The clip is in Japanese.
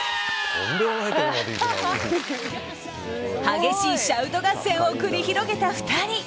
激しいシャウト合戦を繰り広げた２人。